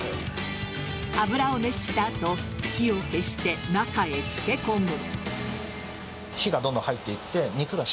油を熱した後火を消して中へ漬け込む。